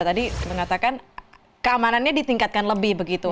tadi mengatakan keamanannya ditingkatkan lebih begitu